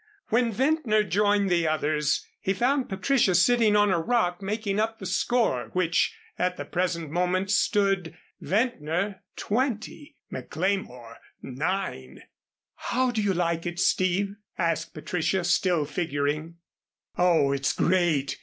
When Ventnor joined the others, he found Patricia sitting on a rock making up the score, which at the present moment stood: Ventnor 20; McLemore 9. "How do you like it, Steve?" asked Patricia, still figuring. "Oh, it's great!"